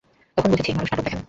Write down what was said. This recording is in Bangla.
তখন বুঝেছি, মানুষ নাটক দেখেন।